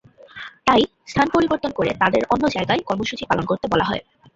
তাই স্থান পরিবর্তন করে তাঁদের অন্য জায়গায় কর্মসূচি পালন করতে বলা হয়।